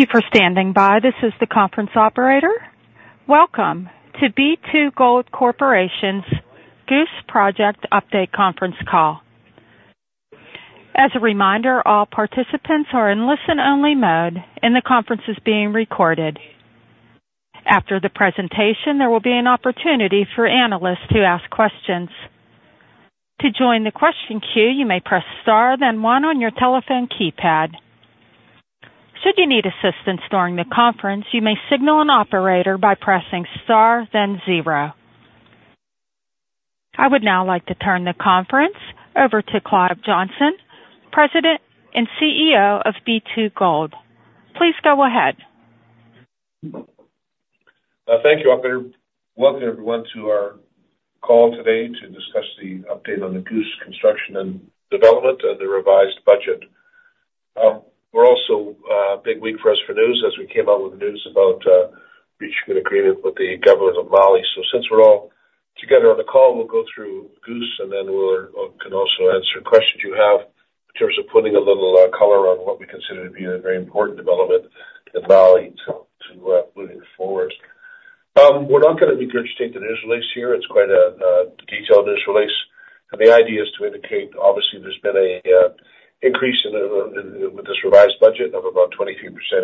Thank you for standing by. This is the conference operator. Welcome to B2Gold Corporation's Goose Project Update conference call. As a reminder, all participants are in listen-only mode, and the conference is being recorded. After the presentation, there will be an opportunity for analysts to ask questions. To join the question queue, you may press star, then one on your telephone keypad. Should you need assistance during the conference, you may signal an operator by pressing star, then zero. I would now like to turn the conference over to Clive Johnson, President and CEO of B2Gold. Please go ahead. Thank you. Welcome everyone to our call today to discuss the update on the Goose construction and development and the revised budget. It's also a big week for us with news as we came out with news about reaching an agreement with the government of Mali. So since we're all together on the call, we'll go through Goose, and then we can also answer questions you have in terms of putting a little color on what we consider to be a very important development in Mali moving forward. We're not going to restate the news release here. It's quite a detailed news release. And the idea is to indicate, obviously, there's been an increase with this revised budget of about a 23%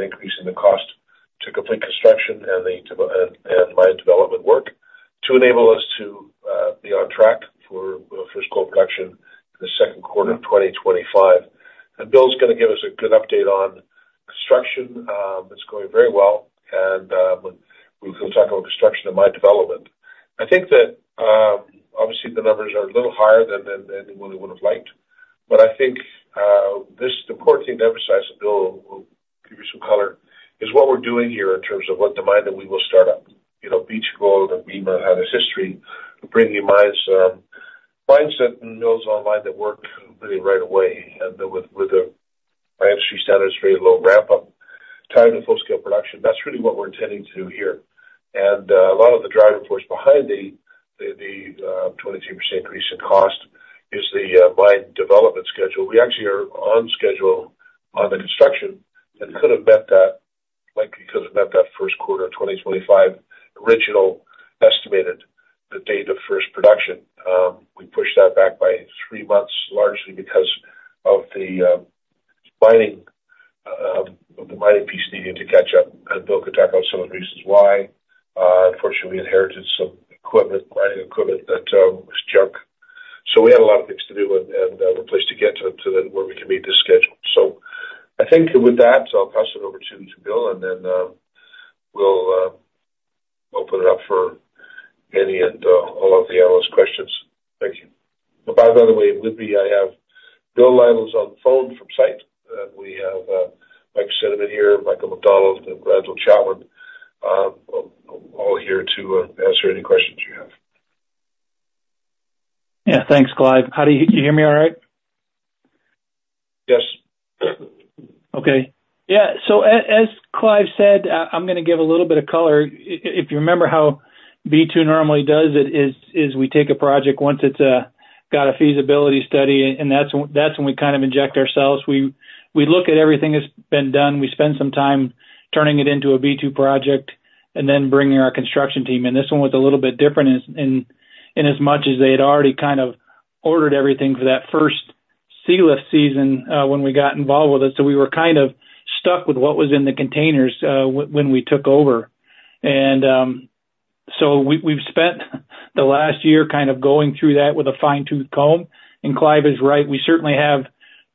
increase in the cost to complete construction and land development work to enable us to be on track for first gold production in the second quarter of 2025. Bill's going to give us a good update on construction. It's going very well. We'll talk about construction and land development. I think that, obviously, the numbers are a little higher than anyone would have liked. But I think the important thing to emphasize, Bill will give you some color, is what we're doing here in terms of what manner that we will start up. B2Gold and Bema have this history of bringing in mines and mills online that work really right away. And with the industry standards, very low ramp-up, tied to full-scale production. That's really what we're intending to do here. And a lot of the driving force behind the 23% increase in cost is the mine development schedule. We actually are on schedule on the construction and could have met that, likely could have met that first quarter of 2025 original estimated date of first production. We pushed that back by three months, largely because of the mining piece needing to catch up, and Bill could talk about some of the reasons why. Unfortunately, we inherited some mining equipment that was junk. We had a lot of things to do and were placed to get to where we can meet this schedule. I think with that, I'll pass it over to Bill, and then we'll open it up for any and all of the analyst questions. Thank you. By the way, with me, I have Bill Lytle is on the phone from site, and we have Mike Cinnamond here, Michael McDonald, and Randall Chatwin, all here to answer any questions you have. Yeah. Thanks, Clive. Can you hear me all right? Yes. Okay. Yeah. So as Clive said, I'm going to give a little bit of color. If you remember how B2 normally does it, is we take a project, once it's got a feasibility study, and that's when we kind of inject ourselves. We look at everything that's been done. We spend some time turning it into a B2 project and then bringing our construction team in. This one was a little bit different in as much as they had already kind of ordered everything for that first sealift season when we got involved with it. So we were kind of stuck with what was in the containers when we took over. And so we've spent the last year kind of going through that with a fine-toothed comb. And Clive is right. We certainly have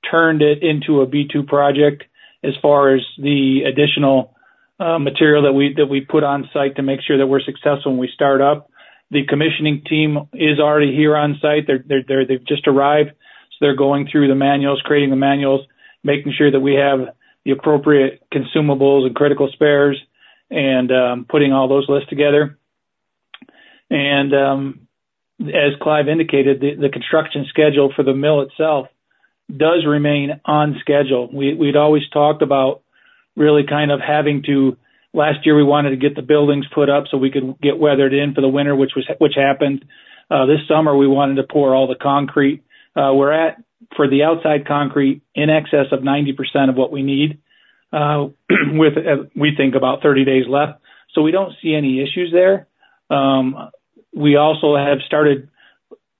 turned it into a B2 project as far as the additional material that we put on site to make sure that we're successful when we start up. The commissioning team is already here on site. They've just arrived, so they're going through the manuals, creating the manuals, making sure that we have the appropriate consumables and critical spares, and putting all those lists together, and as Clive indicated, the construction schedule for the mill itself does remain on schedule. We'd always talked about really kind of having to, last year, we wanted to get the buildings put up so we could get weathered in for the winter, which happened. This summer, we wanted to pour all the concrete. We're at, for the outside concrete, in excess of 90% of what we need, with, we think, about 30 days left, so we don't see any issues there. We also have started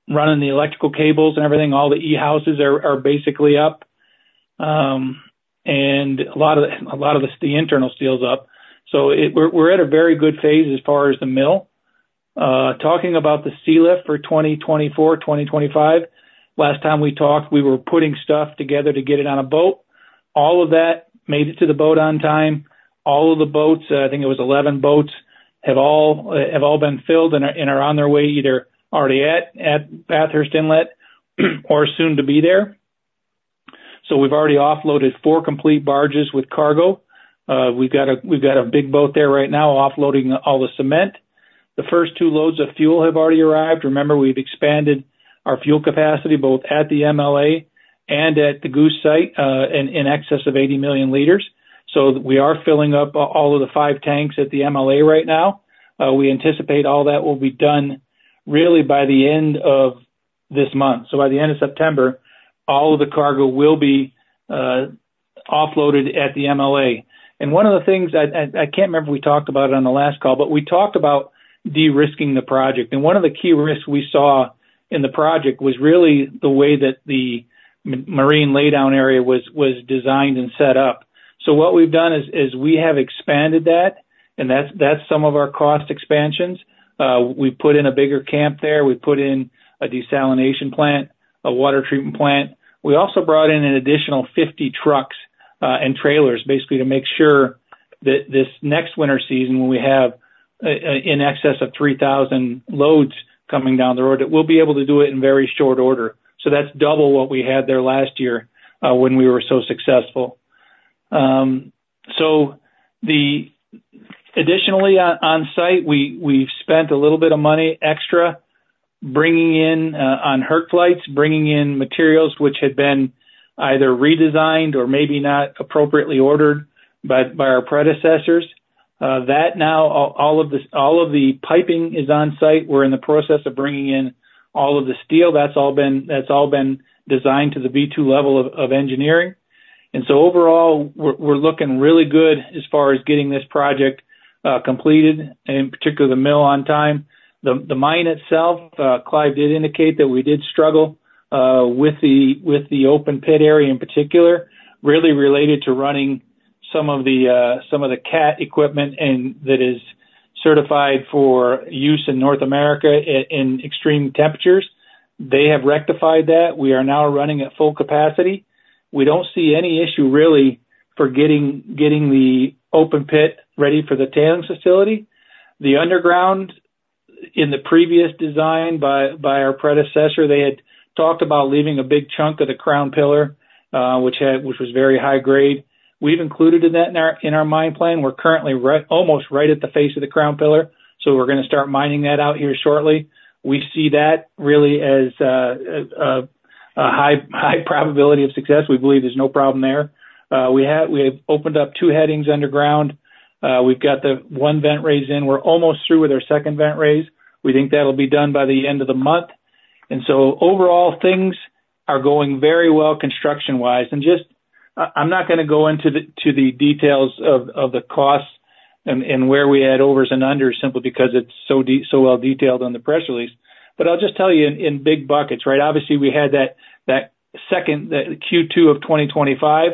running the electrical cables and everything. All the E-houses are basically up. And a lot of the internal steel's up. So we're at a very good phase as far as the mill. Talking about the sealift for 2024, 2025, last time we talked, we were putting stuff together to get it on a boat. All of that made it to the boat on time. All of the boats—I think it was 11 boats—have all been filled and are on their way either already at Bathurst Inlet or soon to be there. So we've already offloaded four complete barges with cargo. We've got a big boat there right now offloading all the cement. The first two loads of fuel have already arrived. Remember, we've expanded our fuel capacity both at the MLA and at the Goose site in excess of 80 million L. So we are filling up all of the five tanks at the MLA right now. We anticipate all that will be done really by the end of this month. So by the end of September, all of the cargo will be offloaded at the MLA. And one of the things - I can't remember if we talked about it on the last call - but we talked about de-risking the project. And one of the key risks we saw in the project was really the way that the marine laydown area was designed and set up. So what we've done is we have expanded that, and that's some of our cost expansions. We put in a bigger camp there. We put in a desalination plant, a water treatment plant. We also brought in an additional 50 trucks and trailers, basically, to make sure that this next winter season, when we have in excess of 3,000 loads coming down the road, that we'll be able to do it in very short order. So that's double what we had there last year when we were so successful. So additionally, on site, we've spent a little bit of money extra bringing in on charter flights, bringing in materials which had been either redesigned or maybe not appropriately ordered by our predecessors. That now all of the piping is on site. We're in the process of bringing in all of the steel. That's all been designed to the B2Gold level of engineering. And so overall, we're looking really good as far as getting this project completed, in particular, the mill on time. The mine itself, Clive did indicate that we did struggle with the open pit area in particular, really related to running some of the CAT equipment that is certified for use in North America in extreme temperatures. They have rectified that. We are now running at full capacity. We don't see any issue really for getting the open pit ready for the tailings facility. The underground, in the previous design by our predecessor, they had talked about leaving a big chunk of the Crown Pillar, which was very high grade. We've included that in our mine plan. We're currently almost right at the face of the Crown Pillar. So we're going to start mining that out here shortly. We see that really as a high probability of success. We believe there's no problem there. We have opened up two headings underground. We've got the one vent raise in. We're almost through with our second vent raise. We think that'll be done by the end of the month, and so overall, things are going very well construction-wise. I'm not going to go into the details of the costs and where we had overs and unders simply because it's so well detailed on the press release, but I'll just tell you in big buckets, right? Obviously, we had that Q2 of 2025.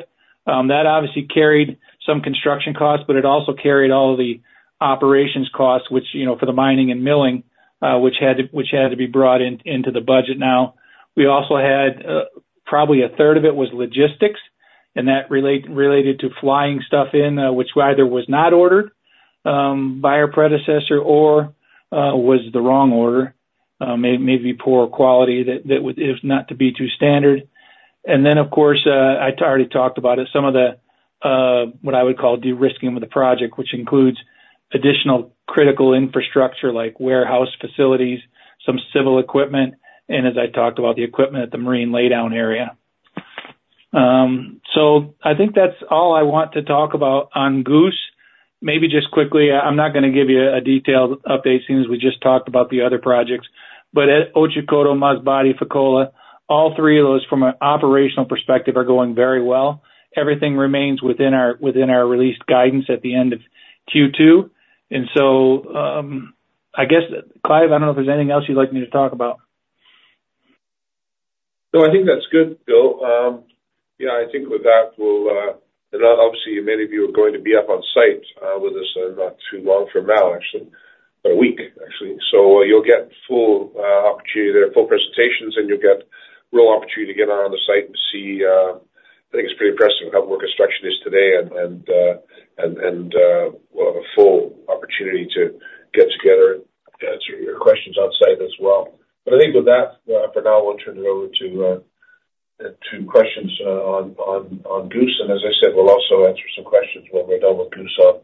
That obviously carried some construction costs, but it also carried all of the operations costs for the mining and milling, which had to be brought into the budget now. We also had probably 1/3 of it was logistics, and that related to flying stuff in, which either was not ordered by our predecessor or was the wrong order, maybe poor quality, if not to be too candid. Then, of course, I already talked about it, some of what I would call de-risking with the project, which includes additional critical infrastructure like warehouse facilities, some civil equipment, and as I talked about, the equipment at the Marine Laydown Area. I think that's all I want to talk about on Goose. Maybe just quickly, I'm not going to give you a detailed update as soon as we just talked about the other projects. At Otjikoto, Masbate, Fekola, all three of those from an operational perspective are going very well. Everything remains within our released guidance at the end of Q2. So I guess, Clive, I don't know if there's anything else you'd like me to talk about. No, I think that's good, Bill. Yeah, I think with that, we'll, and obviously, many of you are going to be up on site with us not too long from now, actually, or a week, actually. So you'll get full opportunity there, full presentations, and you'll get a real opportunity to get on the site and see. I think it's pretty impressive how work construction is today and a full opportunity to get together and answer your questions on site as well. But I think with that, for now, I want to turn it over to questions on Goose, and as I said, we'll also answer some questions when we're done with Goose on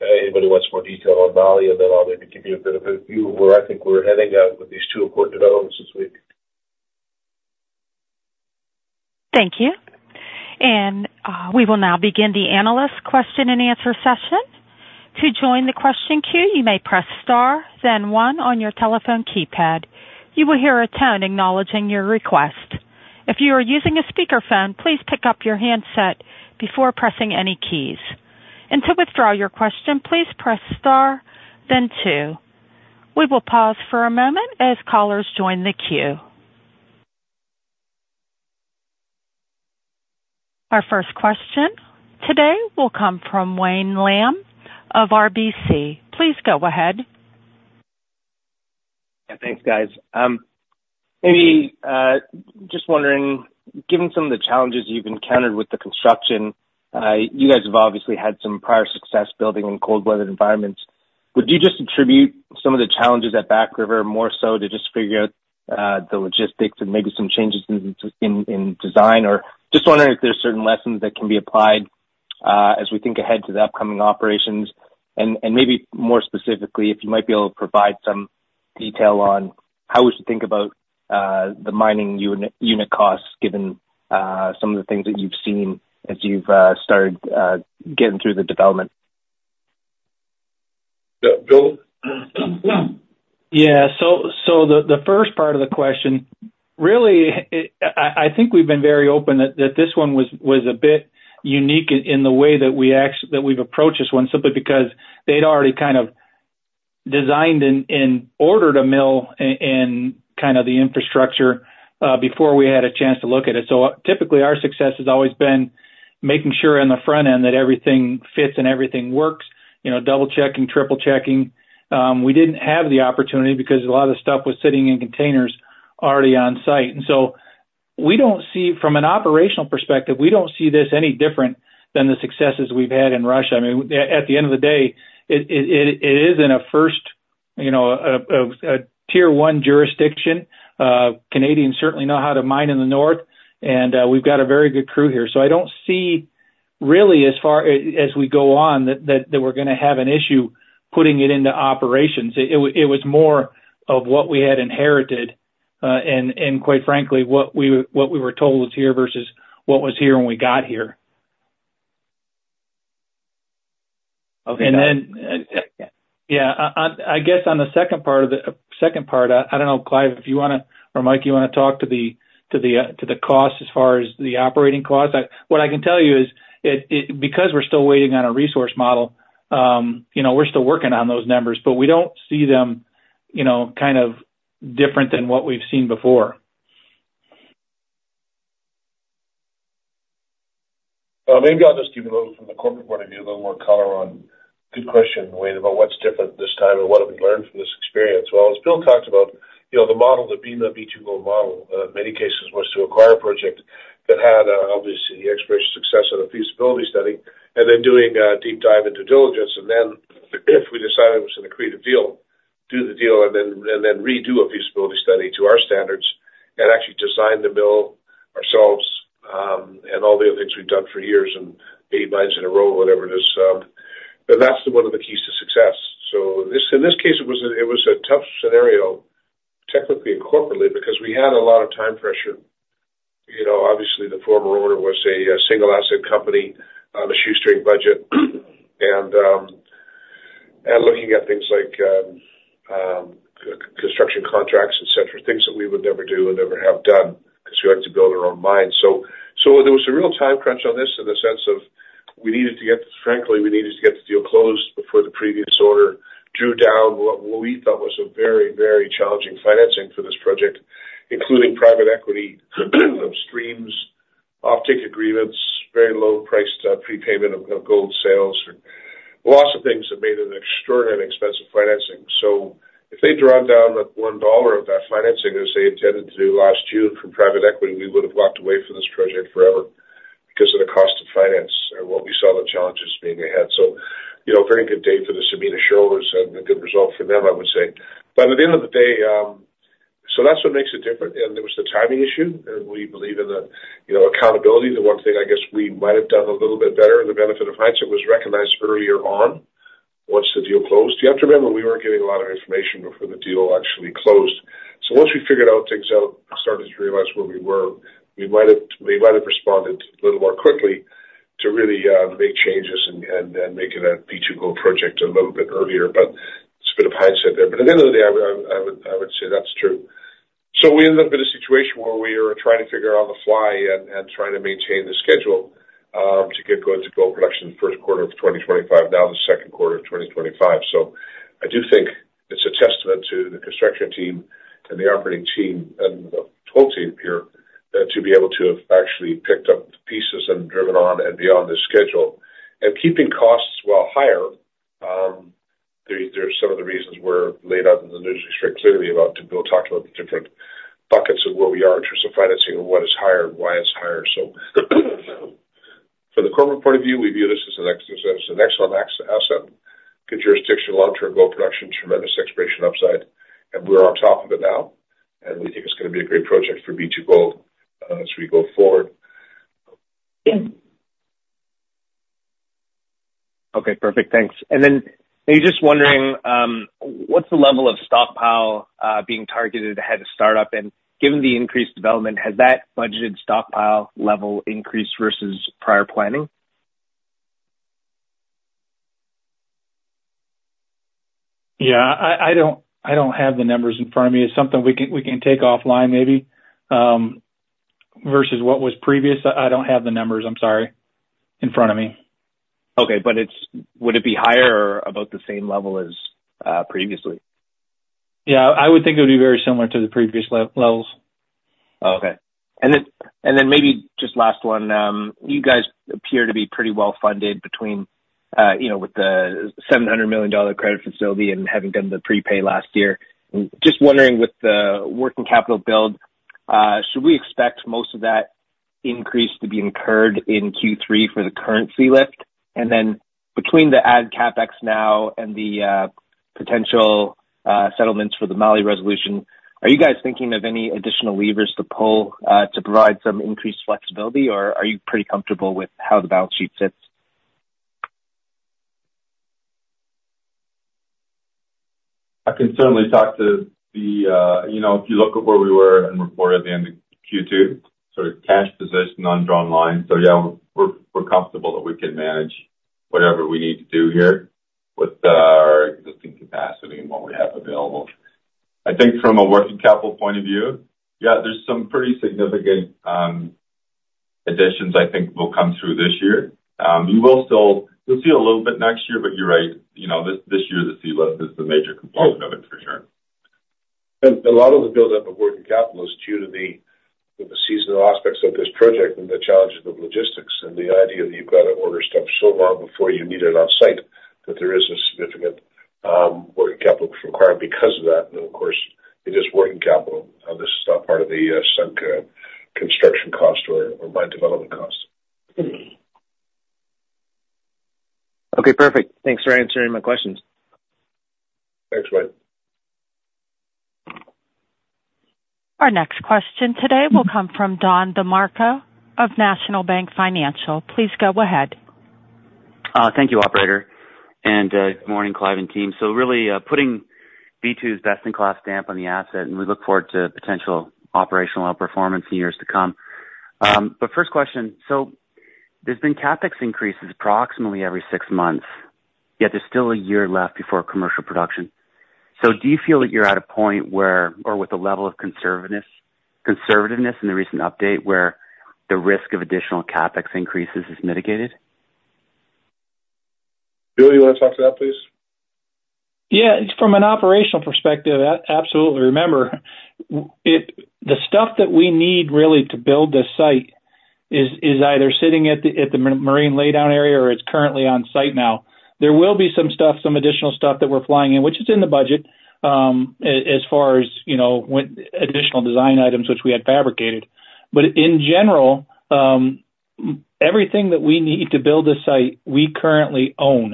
anybody who wants more detail on Mali, and then I'll maybe give you a bit of a view of where I think we're heading with these two important developments this week. Thank you. And we will now begin the analyst question-and-answer session. To join the question queue, you may press star, then one on your telephone keypad. You will hear a tone acknowledging your request. If you are using a speakerphone, please pick up your handset before pressing any keys. And to withdraw your question, please press star, then two. We will pause for a moment as callers join the queue. Our first question today will come from Wayne Lam of RBC. Please go ahead. Thanks, guys. Maybe just wondering, given some of the challenges you've encountered with the construction, you guys have obviously had some prior success building in cold weather environments. Would you just attribute some of the challenges at Back River more so to just figure out the logistics and maybe some changes in design? Or just wondering if there's certain lessons that can be applied as we think ahead to the upcoming operations. And maybe more specifically, if you might be able to provide some detail on how we should think about the mining unit costs given some of the things that you've seen as you've started getting through the development. Yeah. So the first part of the question, really, I think we've been very open that this one was a bit unique in the way that we've approached this one, simply because they'd already kind of designed and ordered a mill and kind of the infrastructure before we had a chance to look at it. So typically, our success has always been making sure on the front end that everything fits and everything works, double-checking, triple-checking. We didn't have the opportunity because a lot of the stuff was sitting in containers already on site. And so from an operational perspective, we don't see this any different than the successes we've had in Russia. I mean, at the end of the day, it is in a first tier-one jurisdiction. Canadians certainly know how to mine in the north, and we've got a very good crew here. So, I don't see really, as far as we go on, that we're going to have an issue putting it into operations. It was more of what we had inherited and, quite frankly, what we were told was here versus what was here when we got here. And then, yeah, I guess on the second part of the second part, I don't know, Clive, if you want to, or Mike, you want to talk to the cost as far as the operating costs. What I can tell you is, because we're still waiting on a resource model, we're still working on those numbers, but we don't see them kind of different than what we've seen before. Maybe I'll just give you a little from the corporate point of view, a little more color on. Good question, Wayne, about what's different this time and what have we learned from this experience. Well, as Bill talked about, the model, that being the B2Gold model, in many cases, was to acquire a project that had, obviously, the prior success of the feasibility study and then doing a deep dive into due diligence. And then if we decided it was going to create a deal, do the deal, and then redo a feasibility study to our standards and actually design the mill ourselves and all the other things we've done for years and 80 mines in a row, whatever it is. And that's one of the keys to success. So in this case, it was a tough scenario technically and corporately because we had a lot of time pressure. Obviously, the former owner was a single-asset company on a shoestring budget and looking at things like construction contracts, etc., things that we would never do and never have done because we had to build our own mine. So there was a real time crunch on this in the sense of we needed to get, frankly, we needed to get the deal closed before the previous owner drew down what we thought was a very, very challenging financing for this project, including private equity streams, off-take agreements, very low-priced prepayment of gold sales, lots of things that made an extraordinarily expensive financing. So if they drawn down that one dollar of that financing as they intended to do last June from private equity, we would have walked away from this project forever because of the cost of finance and what we saw the challenges being ahead. So very good day for the Sabina shareholders and a good result for them, I would say. But at the end of the day, so that's what makes it different. And it was the timing issue, and we believe in the accountability. The one thing I guess we might have done a little bit better, the benefit of hindsight, was recognize earlier on once the deal closed. You have to remember we weren't getting a lot of information before the deal actually closed. So once we figured things out and started to realize where we were, we might have responded a little more quickly to really make changes and make it a B2Gold project a little bit earlier. But it's a bit of hindsight there. But at the end of the day, I would say that's true. So we ended up in a situation where we were trying to figure out on the fly and trying to maintain the schedule to get going to gold production the first quarter of 2025, now the second quarter of 2025. So I do think it's a testament to the construction team and the operating team and the whole team here to be able to have actually picked up the pieces and driven on and beyond the schedule. And keeping costs while higher, there are some of the reasons we laid out in the news release today about what Bill talked about, the different buckets of where we are in terms of financing and what is higher and why it's higher. So from the corporate point of view, we view this as an excellent asset, good jurisdiction, long-term gold production, tremendous exploration upside. We're on top of it now, and we think it's going to be a great project for B2Gold as we go forward. Okay. Perfect. Thanks. And then just wondering, what's the level of stockpile being targeted ahead of startup? And given the increased development, has that budgeted stockpile level increased versus prior planning? Yeah. I don't have the numbers in front of me. It's something we can take offline maybe versus what was previous. I don't have the numbers, I'm sorry, in front of me. Okay, but would it be higher or about the same level as previously? Yeah. I would think it would be very similar to the previous levels. Okay. And then maybe just last one, you guys appear to be pretty well funded with the $700 million credit facility and having done the prepay last year. Just wondering, with the working capital build, should we expect most of that increase to be incurred in Q3 for the sealift? And then between the added CapEx now and the potential settlements for the Mali resolution, are you guys thinking of any additional levers to pull to provide some increased flexibility, or are you pretty comfortable with how the balance sheet sits? I can certainly talk to the – if you look at where we were in the report at the end of Q2, our cash position and drawn line. So yeah, we're comfortable that we can manage whatever we need to do here with our existing capacity and what we have available. I think from a working capital point of view, yeah, there's some pretty significant additions I think will come through this year. You'll see a little bit next year, but you're right. This year, the sealift is the major component of it for sure, and a lot of the build-up of working capital is due to the seasonal aspects of this project and the challenges of logistics and the idea that you've got to order stuff so long before you need it on site that there is a significant working capital required because of that. And of course, it is working capital. This is not part of the sunk construction cost or mine development cost. Okay. Perfect. Thanks for answering my questions. Thanks, Wayne. Our next question today will come from Don DeMarco of National Bank Financial. Please go ahead. Thank you, operator. And good morning, Clive and team. So really putting B2's best-in-class stamp on the asset, and we look forward to potential operational outperformance in years to come. But first question, so there's been CapEx increases approximately every six months, yet there's still a year left before commercial production. So do you feel that you're at a point where, or with the level of conservativeness in the recent update, where the risk of additional CapEx increases is mitigated? Bill, you want to talk to that, please? Yeah. From an operational perspective, absolutely. Remember, the stuff that we need really to build this site is either sitting at the marine laydown area or it's currently on site now. There will be some stuff, some additional stuff that we're flying in, which is in the budget as far as additional design items, which we had fabricated. But in general, everything that we need to build this site, we currently own,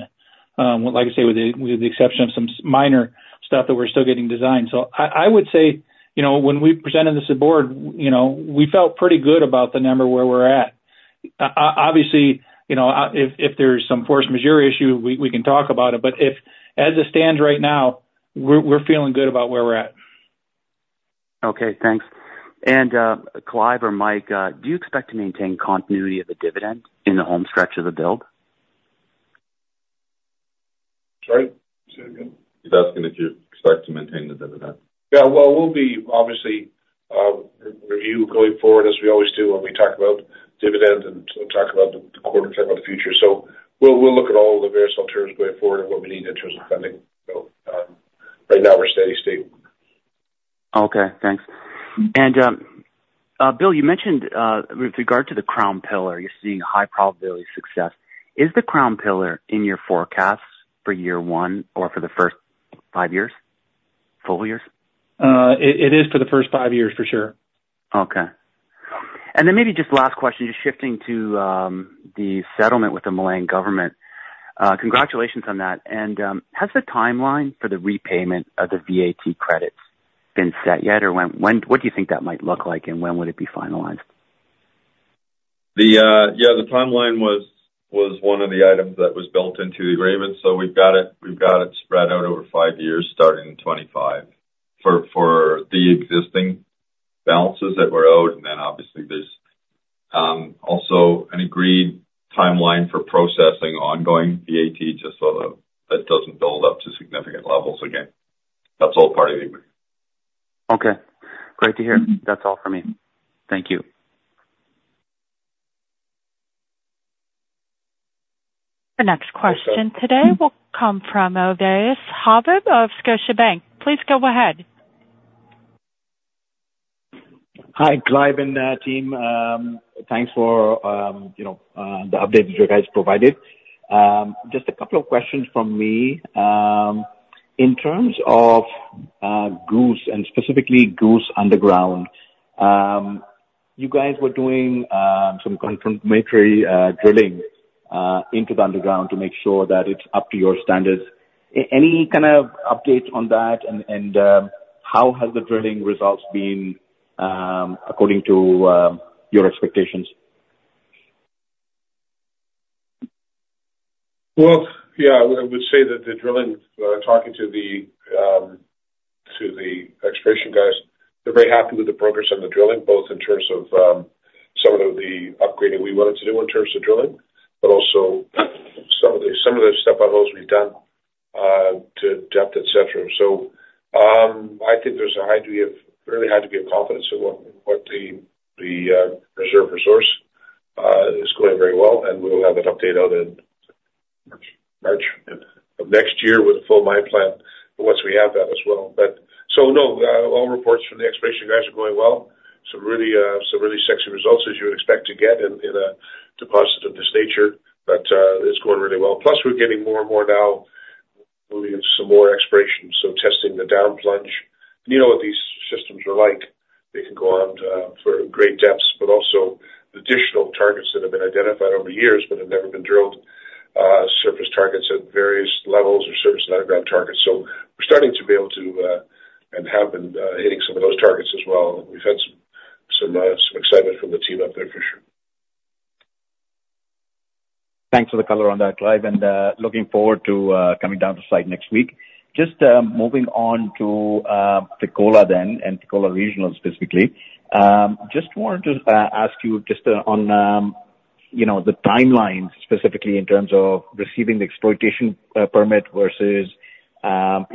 like I say, with the exception of some minor stuff that we're still getting designed. So I would say when we presented this to the board, we felt pretty good about the number where we're at. Obviously, if there's some force majeure issue, we can talk about it. But as it stands right now, we're feeling good about where we're at. Okay. Thanks. And Clive or Mike, do you expect to maintain continuity of the dividend in the home stretch of the build? Sorry? He's asking if you expect to maintain the dividend. Yeah. Well, we'll obviously review going forward, as we always do when we talk about dividend and talk about the quarter and talk about the future. So we'll look at all the various alternatives going forward and what we need in terms of funding. So right now, we're steady state. Okay. Thanks. And Bill, you mentioned with regard to the Crown Pillar, you're seeing high probability success. Is the Crown Pillar in your forecast for year one or for the first five years, full years? It is for the first five years, for sure. Okay. And then maybe just last question, just shifting to the settlement with the Mali government. Congratulations on that. And has the timeline for the repayment of the VAT credits been set yet, or what do you think that might look like, and when would it be finalized? Yeah. The timeline was one of the items that was built into the agreement. So we've got it spread out over five years starting in 2025 for the existing balances that were owed. And then obviously, there's also an agreed timeline for processing ongoing VAT just so that doesn't build up to significant levels again. That's all part of the agreement. Okay. Great to hear. That's all for me. Thank you. The next question today will come from Ovais Habib of Scotiabank. Please go ahead. Hi, Clive and team. Thanks for the update that you guys provided. Just a couple of questions from me. In terms of Goose and specifically Goose Underground, you guys were doing some confirmatory drilling into the underground to make sure that it's up to your standards. Any kind of update on that, and how has the drilling results been according to your expectations? Yeah, I would say that the drilling, talking to the exploration guys, they're very happy with the progress on the drilling, both in terms of some of the upgrading we wanted to do in terms of drilling, but also some of the step-out holes we've done to depth, etc. So I think there's a high degree of, fairly high degree of confidence in what the reserve resource is going very well, and we'll have that update out in March of next year with a full mine plan once we have that as well. So no, all reports from the exploration guys are going well. Some really sexy results as you would expect to get in a deposit of this nature, but it's going really well. Plus, we're getting more and more now, some more explorations, so testing the downplunge. And you know what these systems are like. They can go on for great depths, but also additional targets that have been identified over years but have never been drilled, surface targets at various levels or surface and underground targets, so we're starting to be able to and have been hitting some of those targets as well. We've had some excitement from the team up there, for sure. Thanks for the color on that, Clive, and looking forward to coming down to site next week. Just moving on to Fekola then and Fekola Regional specifically, just wanted to ask you just on the timelines specifically in terms of receiving the exploitation permit versus how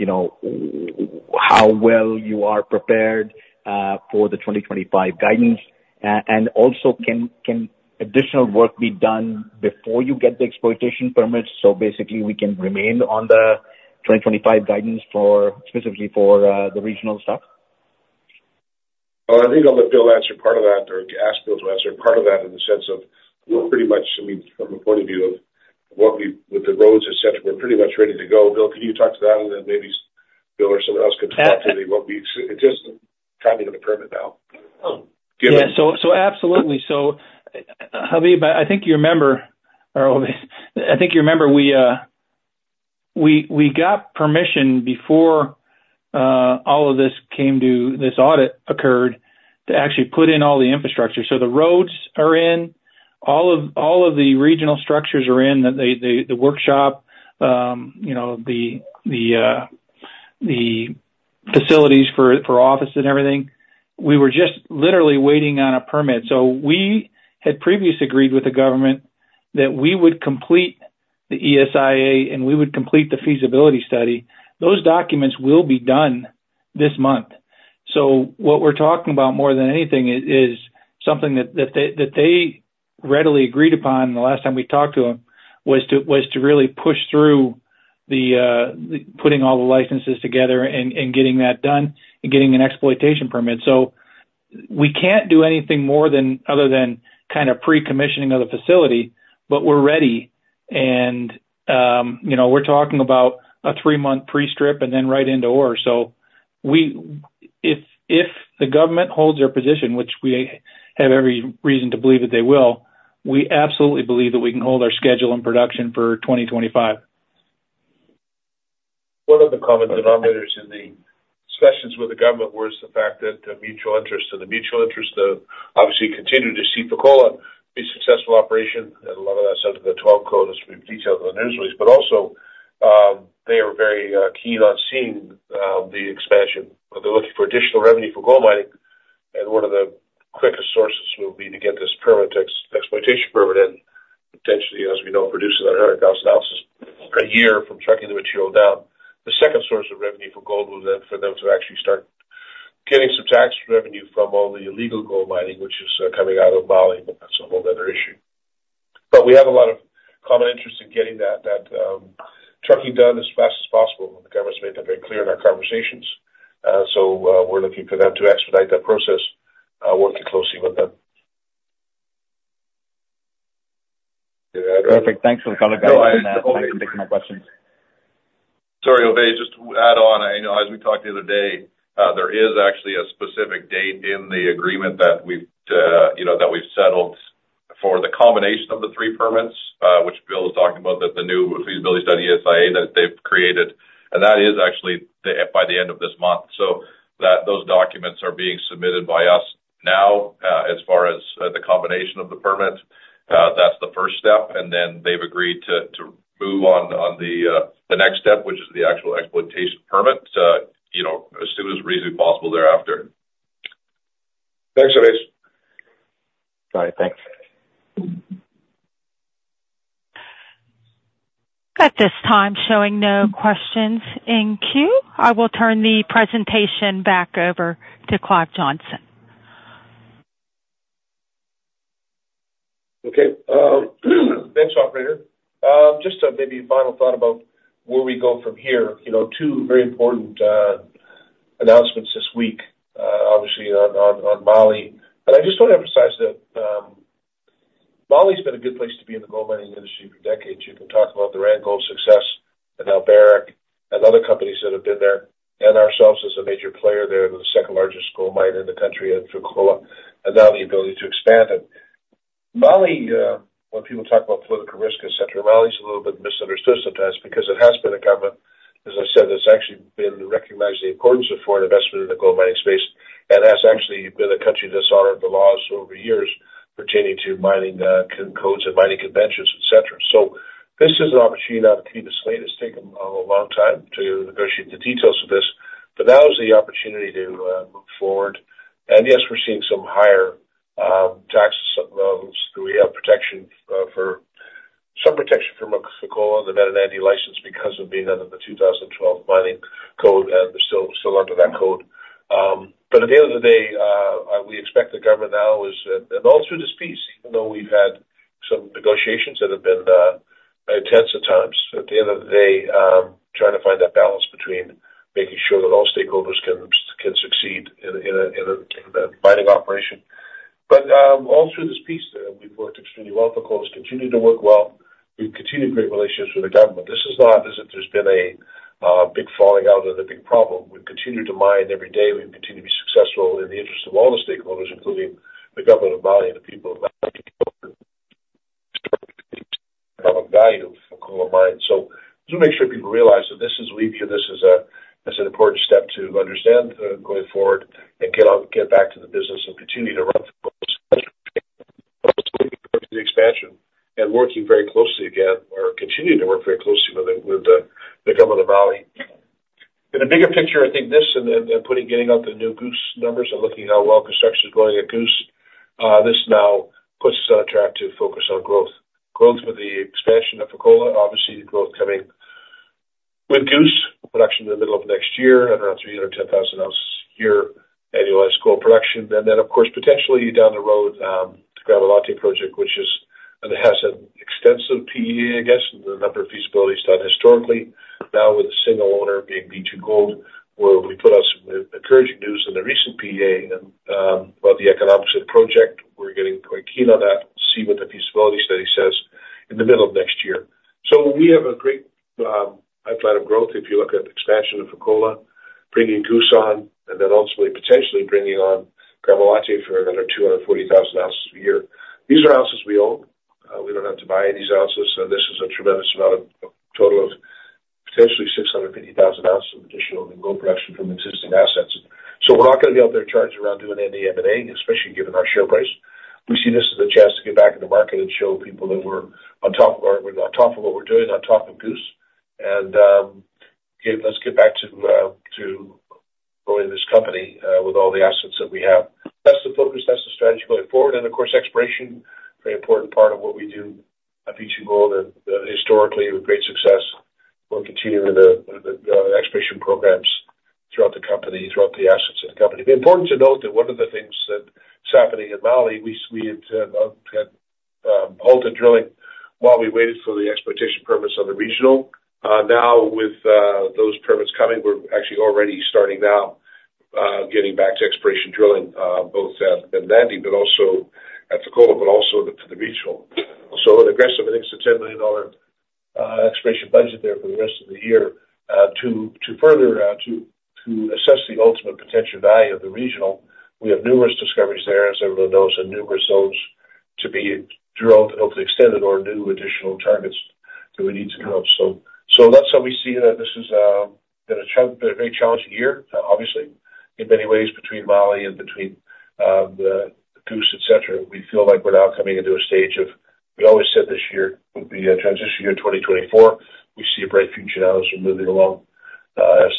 well you are prepared for the 2025 guidance? And also, can additional work be done before you get the exploitation permit so basically we can remain on the 2025 guidance specifically for the regional stuff? I think I'll let Bill answer part of that or ask Bill to answer part of that in the sense of we're pretty much. I mean, from the point of view of what we have with the roads, etc., we're pretty much ready to go. Bill, can you talk to that, and then maybe Bill or someone else can talk to the timing of the permit now. Yeah. So absolutely. I think you remember, or I think you remember we got permission before all of this came to this. Audit occurred to actually put in all the infrastructure. So the roads are in, all of the regional structures are in, the workshop, the facilities for office and everything. We were just literally waiting on a permit. We had previously agreed with the government that we would complete the ESIA and we would complete the feasibility study. Those documents will be done this month. What we're talking about more than anything is something that they readily agreed upon the last time we talked to them was to really push through the putting all the licenses together and getting that done and getting an exploitation permit. We can't do anything more other than kind of pre-commissioning of the facility, but we're ready. And we're talking about a three-month pre-strip and then right into ore. So if the government holds their position, which we have every reason to believe that they will, we absolutely believe that we can hold our schedule in production for 2025. One of the comments that I'm hearing in the discussions with the government was the fact that the mutual interest and the mutual interest of obviously continuing to see Fekola be a successful operation, and a lot of that's under the 2012 Code as we've detailed in the news release, but also, they are very keen on seeing the expansion. They're looking for additional revenue for gold mining, and one of the quickest sources will be to get this permit, exploitation permit, and potentially, as we know, producing 100,000 oz per year from trucking the material down. The second source of revenue for gold will then for them to actually start getting some tax revenue from all the illegal gold mining, which is coming out of Mali, but that's a whole nother issue, but we have a lot of common interest in getting that trucking done as fast as possible. The government's made that very clear in our conversations. So we're looking for them to expedite that process, working closely with them. Perfect. Thanks for the color, guys. I'm going to take some more questions. Sorry, Ovais, just to add on, as we talked the other day, there is actually a specific date in the agreement that we've settled for the combination of the three permits, which Bill was talking about, that the new feasibility study ESIA that they've created. And that is actually by the end of this month. So those documents are being submitted by us now as far as the combination of the permits. That's the first step. And then they've agreed to move on the next step, which is the actual exploitation permit, as soon as reasonably possible thereafter. Thanks, Ovais. All right. Thanks. At this time, showing no questions in queue, I will turn the presentation back over to Clive Johnson. Okay. Thanks, operator. Just a maybe final thought about where we go from here. Two very important announcements this week, obviously, on Mali. And I just want to emphasize that Mali has been a good place to be in the gold mining industry for decades. You can talk about the Randgold success and Barrick and other companies that have been there and ourselves as a major player there, the second largest gold mine in the country and Fekola, and now the ability to expand it. Mali, when people talk about political risk, etc., Mali is a little bit misunderstood sometimes because it has been a government, as I said, that's actually been recognizing the importance of foreign investment in the gold mining space. And that's actually been a country that's honored the laws over years pertaining to mining codes and mining conventions, etc. This is an opportunity now to keep this alive. It's taken a long time to negotiate the details of this. But now is the opportunity to move forward. And yes, we're seeing some higher tax levels. We have some protection from Fekola, the Menankoto license, because of being under the 2012 Mining Code, and we're still under that code. But at the end of the day, we expect the government now is involved through this process, even though we've had some negotiations that have been intense at times. At the end of the day, trying to find that balance between making sure that all stakeholders can succeed in a mining operation. But all through this process, we've worked extremely well. Fekola has continued to work well. We've continued great relations with the government. This is not as if there's been a big falling out or a big problem. We've continued to mine every day. We've continued to be successful in the interest of all the stakeholders, including the government of Mali and the people of Mali, to start to see the value of Fekola mine. Just to make sure people realize that this is weaving in, this is an important step to understand going forward and get back to the business and continue to run for the expansion and working very closely again or continuing to work very closely with the government of Mali. In the bigger picture, I think this and getting out the new Goose numbers and looking at how well construction is going at Goose, this now puts us on a track to focus on growth. Growth with the expansion of Fekola, obviously growth coming with Goose, production in the middle of next year, around 310,000 oz a year annualized gold production. And then, of course, potentially down the road to Gramalote project, which has an extensive PEA, I guess, and a number of feasibilities done historically, now with a single owner being B2Gold, where we put out some encouraging news in the recent PEA about the economics of the project. We're getting quite keen on that. See what the feasibility study says in the middle of next year. So we have a great pipeline of growth if you look at the expansion of Fekola, bringing Goose on, and then ultimately potentially bringing on Gramalote for another 240,000 oz a year. These are ounces we own. We don't have to buy any of these ounces. This is a tremendous amount of total of potentially 650,000 oz of additional gold production from existing assets. So we're not going to be out there charging around doing any M&A, especially given our share price. We see this as a chance to get back in the market and show people that we're on top of what we're doing, on top of Goose. Let's get back to growing this company with all the assets that we have. That's the focus. That's the strategy going forward. Of course, exploration is a very important part of what we do at B2Gold, and historically, with great success, we're continuing the exploration programs throughout the company, throughout the assets of the company. It'd be important to note that one of the things that's happening in Mali. We had halted drilling while we waited for the exploitation permits on the regional. Now, with those permits coming, we're actually already starting now getting back to exploration drilling, both at Menankoto, but also at Fekola, but also to the regional. So an aggressive $10 million exploration budget there for the rest of the year to further assess the ultimate potential value of the regional. We have numerous discoveries there, as everyone knows, and numerous zones to be drilled and hopefully extended or new additional targets that we need to come. So that's how we see it. This has been a very challenging year, obviously, in many ways between Mali and between Goose, etc. We feel like we're now coming into a stage of. We always said this year would be a transition year 2024. We see a bright future now as we're moving along, as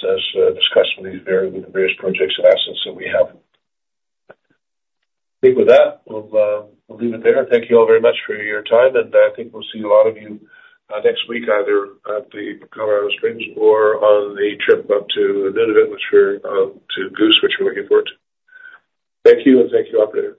discussed with the various projects and assets that we have. I think with that, we'll leave it there. Thank you all very much for your time. And I think we'll see a lot of you next week, either at the Colorado Springs or on the trip up to Nunavut with Goose, which we're looking forward to. Thank you, and thank you, operator.